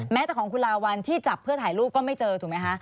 แต่ของคุณลาวัลที่จับเพื่อถ่ายรูปก็ไม่เจอถูกไหมคะ